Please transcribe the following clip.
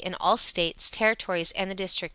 In all States, Territories and the District.